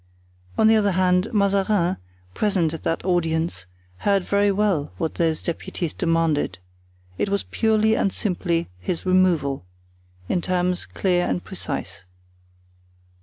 On the other hand, Mazarin, present at that audience, heard very well what those deputies demanded. It was purely and simply his removal, in terms clear and precise.